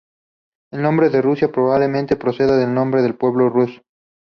El nombre de Rusia probablemente proceda del nombre del pueblo Rus.